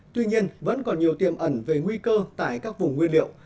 tuy nhiên vẫn còn nhiều tiềm ẩn về nguy cơ tại các vùng nguyên liệu